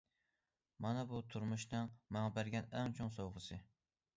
مانا بۇ تۇرمۇشنىڭ ماڭا بەرگەن ئەڭ چوڭ سوۋغىسى.